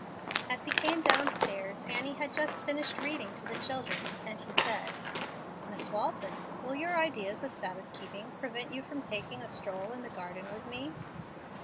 As he came down stairs, Annie had just finished reading to the children, and he said, "Miss Walton, will your ideas of Sabbath keeping prevent you from taking a stroll in the garden with me?"